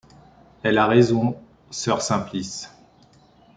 Elle a raison, sœur Simplice.